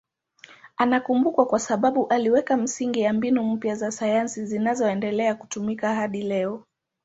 Anakumbukwa kwa sababu aliweka misingi ya mbinu mpya za sayansi zinazoendelea kutumika hadi leo.